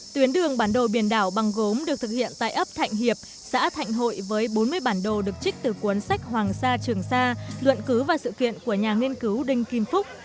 tuyến đường bản đồ biển đảo bằng gốm được thực hiện tại ấp thạnh hiệp xã thạnh hội với bốn mươi bản đồ được trích từ cuốn sách hoàng sa trường sa luận cứ và sự kiện của nhà nghiên cứu đinh kim phúc